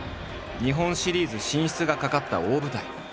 日本シリーズ進出が懸かった大舞台。